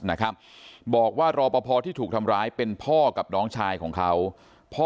นะครับบอกว่ารอปภที่ถูกทำร้ายเป็นพ่อกับน้องชายของเขาพ่อ